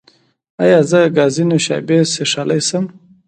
ایا زه ګازي نوشابې څښلی شم؟